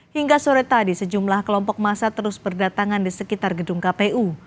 hingga sore tadi sejumlah kelompok masa terus berdatangan di sekitar gedung kpu